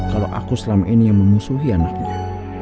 kalau aku selama ini yang memusuhi anaknya